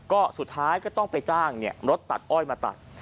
ก็สุดท้ายก็ต้องไปจ้างรถตัดอ้อยมาตัด